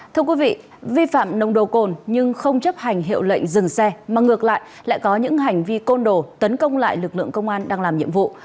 thưa quý vị vi phạm nồng đồ cồn nhưng không chấp hành hiệu lệnh dừng xe mà ngược lại lại có những hành vi côn đồ tấn công lại lực lượng công an đang làm nhiệm vụ